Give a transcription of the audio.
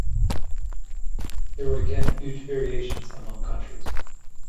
There were again huge variations among countries.